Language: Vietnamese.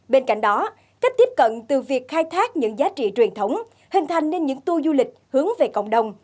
bên cạnh đó cách tiếp cận từ việc khai thác những giá trị truyền thống hình thành nên những tour du lịch hướng về cộng đồng